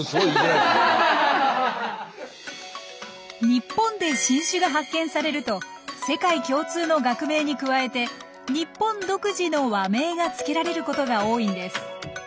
日本で新種が発見されると世界共通の学名に加えて日本独自の和名がつけられることが多いんです。